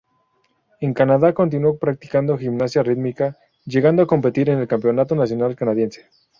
En Canadá continuó practicando gimnasia rítmica, llegando a competir en el campeonato nacional canadiense.